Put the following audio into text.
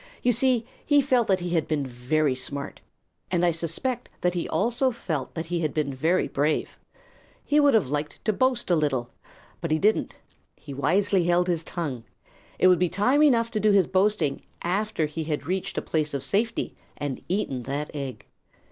You see, he felt that he had been very smart, and I suspect that he also felt that he had been very brave. He would have liked to boast a little. But he didn't. He wisely held his tongue. It would be time enough to do his boasting after he had reached a place of safety and had eaten that egg.